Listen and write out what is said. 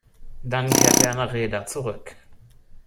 Dann kehrte er nach Rheda zurück.